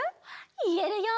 いえるよ！